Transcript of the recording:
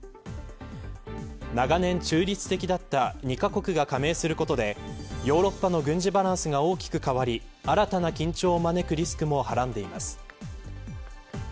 長年中立的だった２カ国が加盟することでヨーロッパの軍事バランスが大きく変わり新たな緊張を招くリスクもはらんでいます。